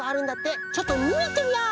ちょっとみにいってみよう！